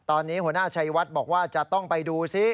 ตอนนี้หัวหน้าชัยวัดบอกว่าจะต้องไปดูซิ